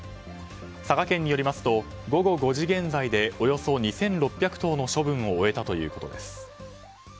佐賀県によりますと午後５時現在でおよそ２６００頭の処分を終えたということです。